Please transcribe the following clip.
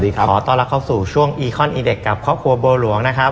ขอต้อนรับเข้าสู่ช่วงอีคอนอีเด็กกับครอบครัวบัวหลวงนะครับ